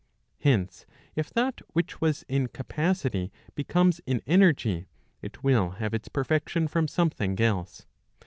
Hence, if that which Mas in capacity becomes in. energy, it will have its perfection from something else.